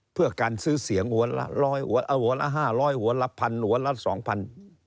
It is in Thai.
เพื่อการซื้อเสียงหัวละห้าร้อยหัวละพันหัวละสองพัน